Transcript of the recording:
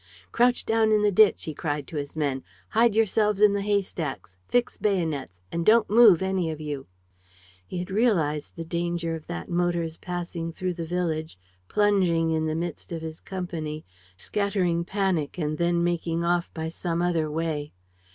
"Crouch down in the ditch," he cried to his men. "Hide yourselves in the haystacks. Fix bayonets. And don't move any of you!" He had realized the danger of that motor's passing through the village, plunging in the midst of his company, scattering panic and then making off by some other way.